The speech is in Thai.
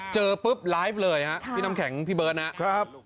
เจอปุ๊บไลฟ์เลยฮะพี่น้ำแข็งพี่เบิร์ตนะครับ